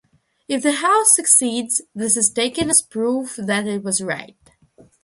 If the House succeeds, this is taken as proof that it was right.